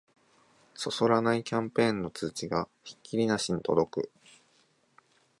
そそらないキャンペーンの通知がひっきりなしに届く